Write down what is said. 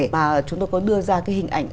mà chúng tôi có đưa ra cái hình ảnh